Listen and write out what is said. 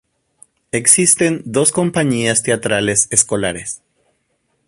Existen dos compañías teatrales escolares.